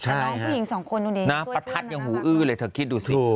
ใช่ิ่งสองคนเนี่ยพ่อยพ่อยอะหูอื้อเลยเธอคิดดูสิ